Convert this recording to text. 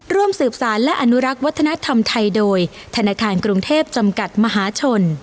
ร่วมสืบสารและอนุรักษ์วัฒนธรรมไทยโดยธนาคารกรุงเทพจำกัดมหาชน